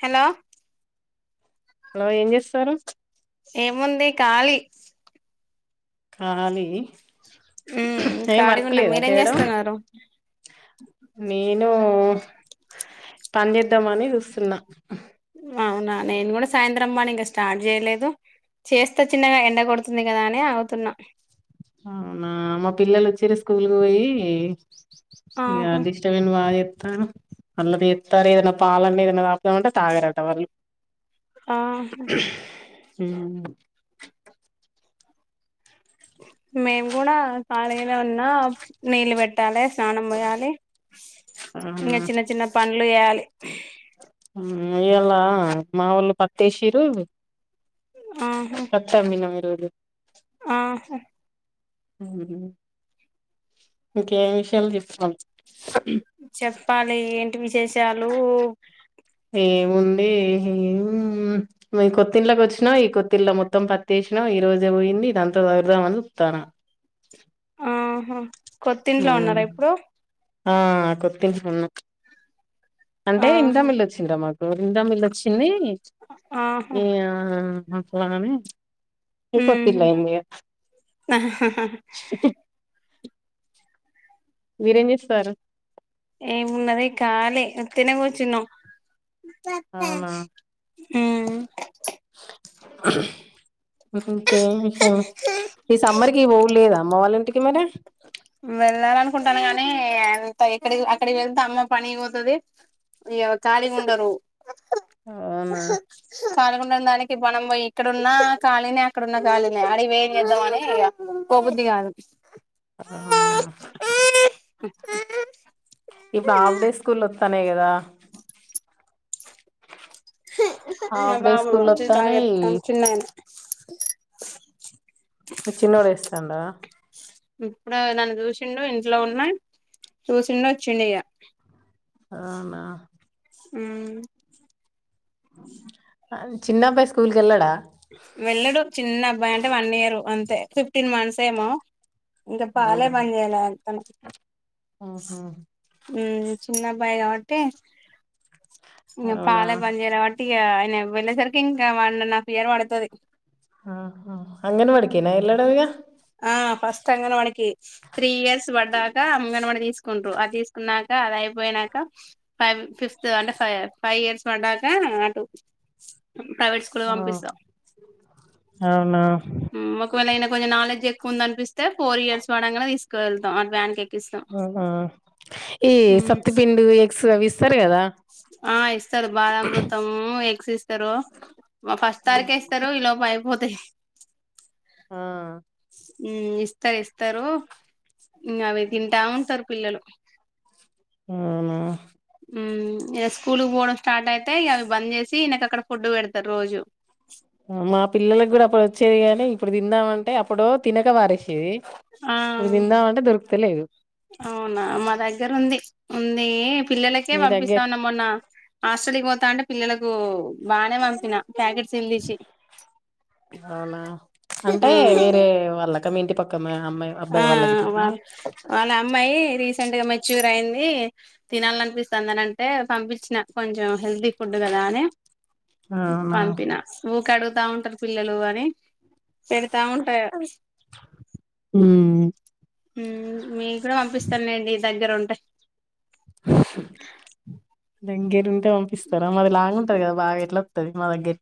Hello hello ఏం చేస్తారు ఏముంది కాలి కాలీ ఉమ్ ఏం ఖాళీగా వర్క్ ఉన్నా లేదా మీరేం చేయడం చేస్తున్నారు నేనూ పనిచేద్దామని చూస్తున్నా అవునా నేను కూడా సాయంత్రం పనీ ఇంకా స్టార్ట్ చేయలేదు చేస్త చిన్నగా ఎండ కొడుతుంది కదా అని అగుతున్నా అవునా మా పిల్లలు వచ్చిరు స్కూల్ కు పోయి ఇ అ ఆహా దిష్టవన్ మా ఎ మళ్ళ చెత్తలే ఇగ పాలన్నీ నిన్న తాగు ఏమంటే తాగరట వాళ్లు ఆ ఉ మేము కూడా ఖాళీగానే ఉన్నా నీళ్లు పెట్టాలే స్నానం పోయాలి ఇంకా అవునా చిన్న చిన్న పంలు చేయాలి ఉమ్ ఇయాలా మా వాళ్ళు పత్తి ఏసీరు ఆహా పత్తి అమ్మినం ఈ రోజు ఆహా ఉ హు ఇంకేమి విషయాలు చెప్పు చెప్పాలి ఏ టి విశేషాలు ది మీ కొత్తిళ్ళకి వచ్చినా ఈ కొత్తిళ్ల మొత్తం పత్తేసిన ఈ రోజే పోయింది ఇదంతా చరుదామని చూత్తన ఆహ కొత్తింట్లో ఉన్నారా ఇప్పుడు ఆ కొత్తింట్లో ఉన్న అంటే ఇంతా ఆహా మ వెళ్ళొచ్చింటా మాకు గోరిందా మిల్లు వచ్చింది ఆహా ఇయా అట్లాని ఈ ఉమ్ కొత్తిల్లు ఏంది ఆహాహా ఉహు మీరు ఏం ఇస్తారు ఏమున్నది కాళ్ళి ఒత్తినే కూర్చున్నా అవునా ఉమ్ ఉహుమ్ కే ఈ సమ్మర్ కి పోలేదా అమ్మ వాళ్ళ ఇంటి కిమ్ బాబాయ్ వెళ్ళాలనుకుంటాను గానీ ఎంత ఎక్కడి అక్కడి వెళ్తే అమ్మ పని పోతది ఇక ఖాళీగా ఉండరు అవునా ఖాళీగా ఉండ దానికి మనం ఇక్కడున్న ఖాళినే అక్కడున్న ఖాళినే అడకి పోయి ఏం చేద్దాంమని పోబుద్ది కాదు అవునా ఆ తనే కదా హాఫ్ డే బాబు స్కూల్ కాలు వస్తాన్నాయి చూడు చిన్నగా ఉన్నాయి మీ చిన్నోడు ఏడుస్తాండా ఇప్పుడు నన్ను చూసిండు ఇంట్లో ఉన్నా చూసిండు వచ్చిండు ఇక అవునా ఉమ్ చిన్నబాయి స్కూల్ కి వెళ్ళడా వెళ్ళడు చిన్న అబ్బాయి అంటే వన్ ఇయర్ అంతే ఫిఫ్టీన్ మంత్స్ ఏమో ఇంకా పాలే అవునా బన్ చేయల తనకి ఆహా ఉమ్ చిన్న అబ్బాయి కాబట్టి ఇక అవునా పాలే బన్ చేయల వాట్ ఇగ ఆయన వెళ్ళే సరికి ఇంకా వన్నా పేరు పడతది ఆ అంగన్వాడి కి అయిన వెళ్లాడా ఆ ఫస్ట్ అంగన్వాడీ కే త్రీ ఇయర్స్ పడ్డాక అంగన్వాడి తీసుకుంట్రు అది తీసుకున్నాక అది అయిపోయినాక ఫైవ్ ఫిఫ్త్ అంటే ఫైవ్ ఇయర్స్ పడ్డాక అట్టు ఆ అవునా ఒకవేళ ఈయనకి కొంచెం నాలెడ్జ్ ఎక్కువ ఉంది అనిపిస్తే ఫోర్ ఇయర్స్ పడంగానే తీసుకేళ్తాం అ బ్యాంక్ కి ఆ ఈ సప్తి పిండి సవిస్ ఆ ఇస్తారు బాలామృతము య సిస్ తారు ఫస్ట్ తారీఖే ఇస్తారు ఇ లోపల అయిపో ఆ ఉ ఇస్తారు ఇస్తారు ఇ అవి తింటా ఉంటారు పిల్లలు అవునా మ్ ఇక స్కూల్ కి పోవడం స్టార్ట్ అయితే, అవి బంద్ చేసి ఇనక అక్కడ ఫుడ్ పెడతారు రోజు మా పిల్లలలకు కూడా అప్పుడు వచ్చేది గాని, ఇప్పుడు తిందామ అంటే అప్పుడు తినక వారేసేది ఆ ఇప్పుడు తిందా అంటే దొరుకుతే లేదు అవునా మా దగ్గర ఉంది ఉంది పిల్లలకే మీ దగ్గర పంపిస్తాన్నా మొన్న హాస్టల్కి పోతా అంటే పిల్లలకు బానే పంపిన ప్యాకెట్స్ తినిపించి అంటే మ్మ్ వేరే వాళ్ళకి క మి ఇంటి పక్క అమ్మాయి ఆ అబ్బాయి గిట్లనా వాళ్ళ వాళ్ళ అమ్మాయి రి సెంట్ గా మెచ్యూర్ అయింది తినాల అనిపిస్తుందని అంటే పంపించిన కొంచెం హెల్తీ ఫుడ్ కదా అని అవునా పంపినా కడుగుతా ఉంటారు పిల్లలు అని పెడతా ఉంట ఉమ్ మీ కూడా పంపిస్తానులేండి దగ్గర ఉంటే ఇంకేం పంపిస్తారా మరి లాంగ్ ఉంటది కదా బాగా ఎట్లా తది మాదగ్గరి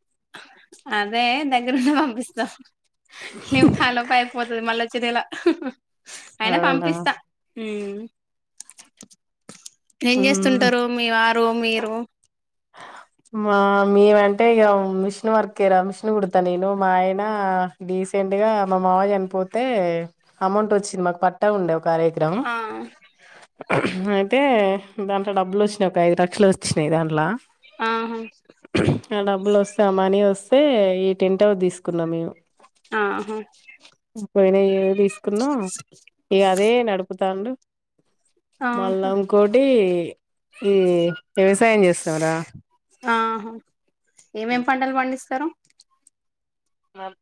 అదే దగ్గరుంటే పంపిస్తాం లేవు తాల ప అయిపోతుంది మళ్ళా వచ్చెదెల అయినా అవునా పంపిస్తా మ్మ్ ఏం మ్మ్ చేస్తుంటారు మీ వారు మీరు టేగ మిషన్ వర్కే ర మిషన్ కుడతా నేను మాయన రీసెంట్ గా మా మావయ్య చనిపోతే అమౌంట్ వచ్చింది, మాకు పట్టా ఉండవు. కార్యక్రమ్ ఆ హ్మ్ అయితే దాంట్లో డబ్బులు వచ్చినాయి. ఒక ఐదు లక్షలు వచ్చినాయి దాంట్లా ఆహా ఆ డబ్బులు వస్తే ఆ మనీ వస్ ఐతే ఈ టెంట్ హౌస్ తీసుకున్నాం. మేము ఆహా పోయినా ఇయర్ ఎ తీస్ కున్నాం. ఇగా అదే నడుపుతాండు. మళ్ళా ఆహా ఇంకోట్ ఈ ఈ వ్యవసాయం చేస్తారా ఆహా ఏమేమ్ పంటలు పండిస్ పండిస్తారు. మబ్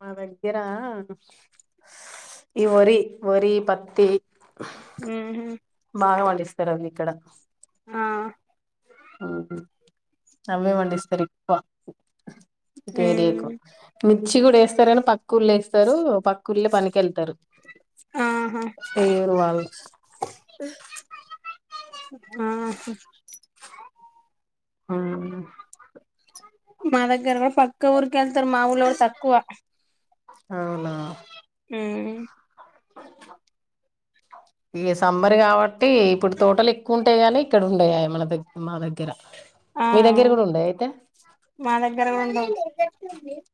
మా దగ్గర ఈ వరి, వరి, పత్తి ఉ హ్మ్ బాగా పండిస్తారు. అన్ని ఇక్కడ ఆ అవే పండిస్తారు. ఎక్కువ ఇట్ ఏరియా కు ఉమ్ మిర్చి కూడా వేస్తారని పక్కు ఊర్లే వేస్తారు. పక్క ఊర్లే పనికి వెళ్తారు. ఆహా వేరే వాళ్ళు ఆహా ఆ మా దగ్గర పక్క ఊరుకి వెళ్తారు. మా ఊరిలో కూడా తక్కువ అవునా హ్మ్ ఇగా సమ్మర్ కాబట్టి ఇప్పుడు తోటలు ఎక్కువ ఉంటాయి. కాని ఇక్కడ ఉండేయయే మన దగ్గ మా దగ్గర ఆ మీ దగ్గర కూడా ఉండయా అయితే మా దగ్గర కూడా ఉండవ్ [unintelligible]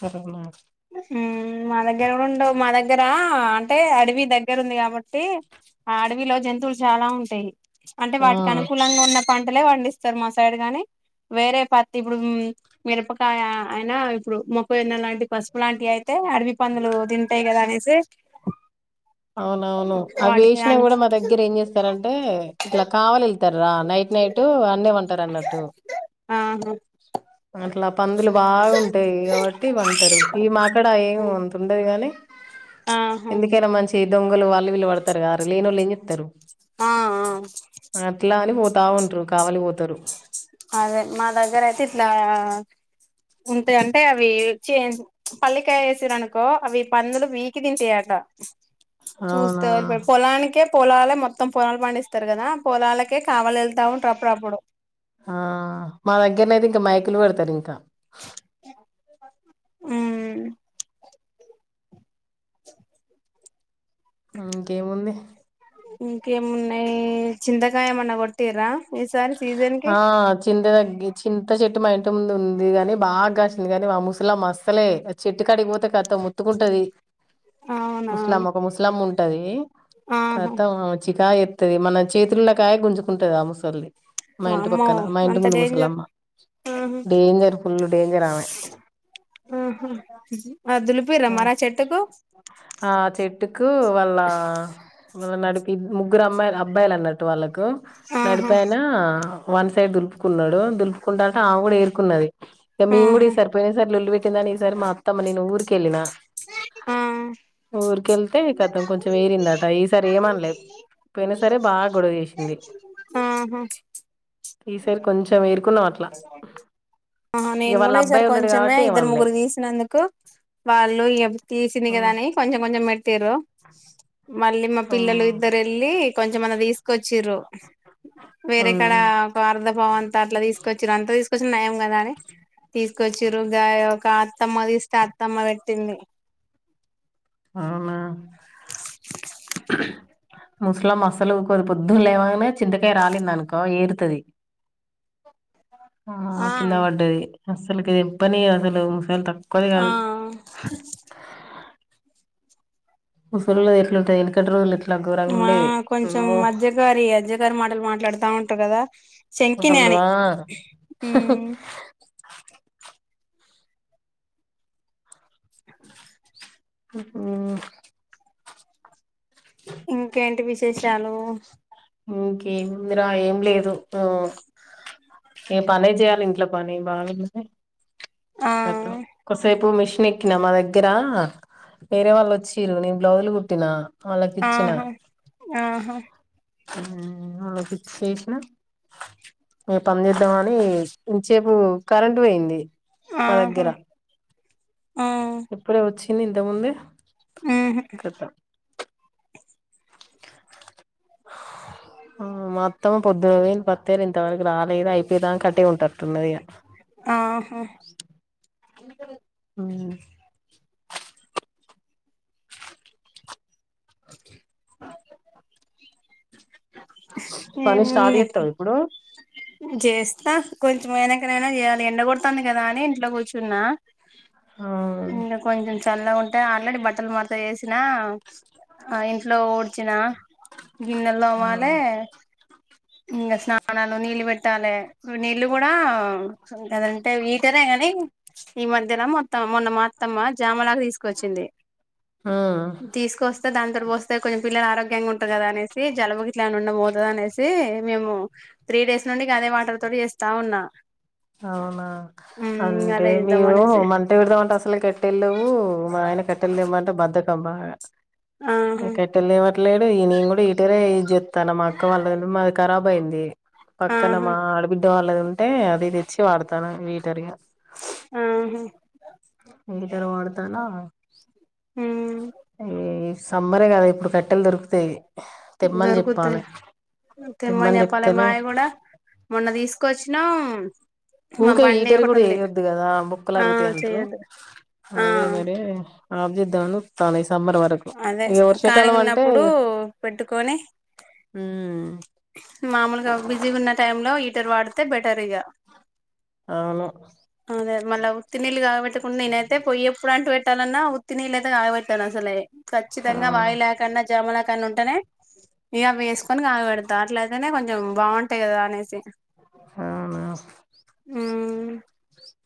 సరే నాక్ హ్మ్ మా దగ్గర కూడా ఉండవు. మా దగ్గర అంటే అడవి దగ్గర ఉంది. కాబట్టి ఆ అడవిలో జంతువులు చాలా ఉంటాయి. అంటే ఆ వాటికి అనుకూలంగా ఉన్నప్ పంటలే పండిస్తారు. మా సైడ్ గాని వేరే పత్తి ఇప్పుడు మిరపకాయ అయినా ఇప్పుడు మొక్కజొన్న లాంటి పసుపు లాంటి అయి ఐతే అడవి పందులు తింటాయి. కదా అనేసి ఐతే అవునవును అ వేసినా అను కూడా మా దగ్గర ఏం చేస్తారంటే ఇట్లా కావాలెళ్తారు. నైట్ నైట్ అన్నే పంటారు అన్నట్టు ఆహా అట్లా పందులు బాగా ఉంటాయి. కాబట్టి పంటారు ఈ మాక్కడ ఏమ్ అంత ఉండదు గాని ఆహా ఎందుకైనా మంచి దొంగలు వాళ్ళు వీళ్ళు పడతారు కదా లేని వాళ్ళు ఏం చేతారు ఆ ఆ బావుంట్రు కావలిపో అదే మా దగ్గర అయితే ఇట్లా ఉంటాయి అంటే అవి చే పల్లికాయ వేసిరు అనుకో అవి పందులు పికి తింటయట చూస్త అవునా పొలనీకె పోలాల మొత్తం పొలాలు పండిస్తారు కదా పొలాలకే కావాల వెళ్తా ఉంటారు అపుడుపుడు ఆ మా దగ్గరనే అయితే ఇంకా మైకులు పెడతారు ఇంకా హ్మ్ ఇంకేముంది ఇంకే మున్నాయి చింతకాయమన్న కొట్టిరా ఈసారి సీజన్ కి ఆ చింత తగ్గి చింత చెట్టు మా ఇంతకుముందు ఉంది గాని బాగాసింది కాని మా ముసలమ్మా ఆసలే చెట్టు కాడికి పోతే కరె ముత్తుకుంటది అవునా ముసలమ్మ ఒక ముసలమ్మ ఉం ఉంటది ఆహా కతమ్ చిక్ కాయ ఎత్తది. మన చేతులకాయ గుంజుకుంటది అ ముసలది మా ఇంటి వామ్మో పక్కన మా ఇంటి అంత ముందు డేంజర్ ముసలమ్మ ఆహా డేంజర్ ఫుల్ డేంజర్ ఆమె ఆహా ఆ దులిపిర్రా మరి ఆ చెట్టుకు ఆ చెట్టుకు వాళ్ళ ను నడిపి ముగ్గురు అమ్మాయిలు అబ్బాయిలు అన్నట్టు వాళ్ళకి గ్ ఆహా నడిపాయినా వన్ సైడ్ దులుపుకున్నాడు దులుపు కుంటంటే ఆమె కూడా ఏరుకున్నది మేము కూడా ఆహా ఈసారి పోయినసరి లొల్లీ పె [unintelligible] సారి మా అత్తమ్మని నేను ఊరికి వెళ్లిన ఆ ఊరికి వెళ్తే కథం కొంచెం ఎరిరిందట ఈసారి ఏమనలే పోయిన సరే బాగా గొడవ చేసింది ఆహా ఈసారి కొంచం ఎ ఆ ఇక నేను వాళ్ళ కూడా ఈసారి అబ్బాయి ఉన్నాడు కొంచమే కాబట్టి ఇద్దరు ఏమనలే ముగ్గురు తీసినందుకు వాళ్ళు తీసింది కదా ఉమ్, అని కొంచెం కొంచెం మేట్ తీరు మళ్ళీ మా ఉమ్, పిల్లలు ఇద్దర వెళ్లి కొం కో మొన్న తీసుకొచ్చిరు వేరేకాడ ఉమ్, ఒక అర్ధ పాాం అంతా అట్ల తీసు అంత తీసుకొచ్చిన నయం కదా అని తీసుకొచ్చిరు గా ఒక అత్తమ్మ తీస్తే అత్తమ్మ పెట్టింది అవునా ముసలమ్మ అసలు వూకోదు పొద్దున లేవాగానే చింతకాయ రాలింది అనుకో ఏరుతది ఆ కింద వడ్డది అసలుకి ఎం పని అసలు ఫేల్తాం ఆ కొదిగాన్ మూసల్లో ఎట్ల ఉంటాయి వెనకటి వాళ్లకి మా కొంచెం మజ్జగారి అజ్జగారి మాటలు మాట్లాడు దాంట కదా శంకిని అని వల్వా ఉహుం ఇంకేంటి విస్ పేష్రాను మ్ ఇంకేంముందిరా ఏం లేదు ఆ నేన్ పనే చేయాలి ఇంట్లో పని బాగుంటే. ఆ అటు కోసేపు మిష్ మిషన్ ఎక్కినా మా దగ్గర వేరే వాళ్ళు వచ్చిర్రు నేను బ్లౌజులు కుట్టినా వాళ్ళకి ఆహా ఆహా ఊ వాళ్ళకి ఇచ్చేసినా య పనిచేద్దాం అని ఇంతసేపు కరెంట్ పోయింది మా ఆహా దగ్గర ఆ ఇప్పుడే వచ్చి ఏంది ఇంతకు ముందే ఊహు ఆ అత్తమ్మ పొద్దున పోయింది పత్తి ఏరే అంతవరకు రాలేదు అయిపోయేదాంకా అటే ఉంటారు ఆహా ఊ పని స్టార్ట్ చేత్తావ ఇప్పుడు జేస్తా కొంచెంమైనాకనైనా జేయాలి ఎండగొడుతుంది గదా అని ఇంట్లో కూర్చున్నా ఆ ఇంగ కొంచెం తెల్ల ఉంటే ఆల్రెడీ బట్టలు మడత జేసిన ఆ ఇంట్లో ఊడ్చిన గిన్నెల్ దోమాల్ లే ఇంగ స్నానాను నీళ్ళు పెట్ ట్టాలే నీళ్ళు గూడా గదంటే ఈటరే గాని ఈ మధ్యన మొత్తం మొన్న మా అత్తమ్మ జామలాకు తీసుకొచ్చింది ఆ తీసుకొస్తే దాని తోటి పోస్తే కొంచెం పిల్లలు ఆరోగ్యంగా ఉంటరు గదా అనేసి జలుబు ఇట్లాని ఉండ పోతదనేసి మేము త్రీ డేస్ నుండి అదే వాటర్ తోటి చేస్తా ఉన్నా అవునా మ్మ్ అంటే అదే చేద్దాం మేము అనేసి మంట పెడదామంటే అసలు కట్టెల్లేవు మా ఆయన కట్టెలు తేమంటే బద్ద కం బాగా ఏ ఆహా కట్టె లేవ తేట్లేడు ఈ నేను కూడా హీటర్ ఏ ఈజ్ తన మాఅక్క వాళ్ళ ఇల్లు మాది కరాబ్ బోయింది పక్కన ఆహా మా ఆడబిడ్డ వాళ్ళ అంటే అది ఇది ఇచ్చి వాడతాను వీటరిగ ఆహా హీటర్ వాడతానా [unintelligible] మ్మ్ ఈ సమ్మరే గదా ఇప్పుడు కట్టెలు దొరుకుతాయి తెమ్మని దొరుకుతయి చెప్పాలి తెమ్మని చెప్పలీ మా చెప్తేనే ఆయన కూడా మొన్న తీసుకు కొచ్చిన ఇఊకా హీటర్ కూడా వేయొద్దు కదా బొక్కలు ఆ అరుగుతాయి అంటారు చెయ్యొద్దు ఆ అదే మరి [unintelligible] సంబర్ వరకు అదే ఇ ఖాళీగా వర్షాకాలం అంటే ఉన్నప్పుడు పెట్టుకొని ఆ మామూలుగా బిజీ ఉన్న టై లో హీటర్ వాడితే బెటర్ ఇక అవును [unintelligible] నిల్గావట్ నేను అయితే పోయ్యప్పుూడాంటు ఇట్టా ఉత్తిిన నీళ్ళు ఆయన గాయబట్టాను అసలే ఆ ఖచ్చితంగా వాయి లేకుండా జముల ఉంటేనే ఇక వేసు కొని కాగపెట్టు ట్ల అయితేనే కొంచెం బాగుంటాయి కదా అనేసి అవునా అ